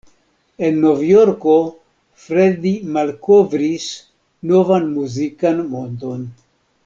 En Novjorko Freddie malkovris novan muzikan mondon.